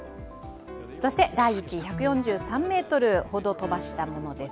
第１位、１４３ｍほど飛ばしたものです。